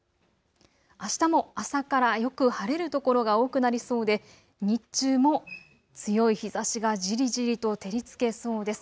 あしたも朝からよく晴れる所が多くなりそうで日中も強い日ざしがじりじりと照りつけそうです。